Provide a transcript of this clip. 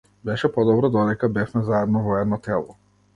Беше подобро додека бевме заедно во едно тело.